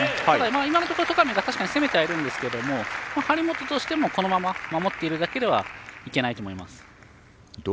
今のところ、戸上が確かに攻めてはいるんですけど張本としても、このまま守っているだけではいけないと思います。